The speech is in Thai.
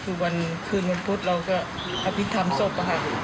คือวันขึ้นวันพุธเราก็อภิกษ์ทำศพประหัส